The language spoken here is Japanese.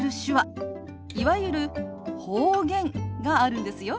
いわゆる方言があるんですよ。